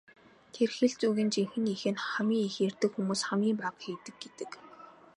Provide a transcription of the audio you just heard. Тэр хэлц үгийн жинхэнэ эх нь "хамгийн их ярьдаг хүмүүс хамгийн бага хийдэг" гэдэг.